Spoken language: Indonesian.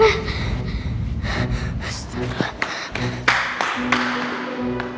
tapi aku susah comrades